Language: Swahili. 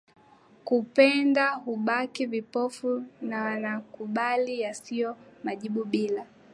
kupenda hubaki vipofu wanakubali yasiyo majibu bila